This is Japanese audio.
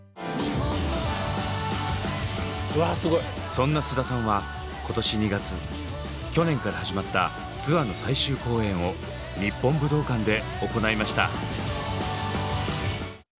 そんな菅田さんは今年２月去年から始まったツアーの最終公演を日本武道館で行いました。